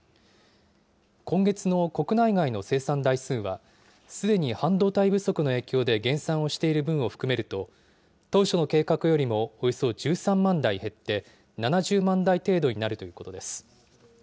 今月の国内外の生産台数は、すでに半導体不足の影響で減産をしている分を含めると、当初の計画よりもおよそ１３万台減って、７０万台程度になるということです。